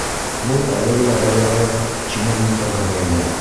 Был әлеге лә баяғы чиновниктарға бәйле.